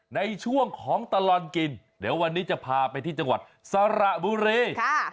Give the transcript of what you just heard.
ในช่วงของตลอดกินเดี๋ยววันนี้จะพาไปที่จังหวัดสระบุรี